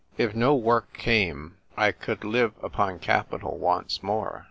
If no work came, I could live upon capital once more.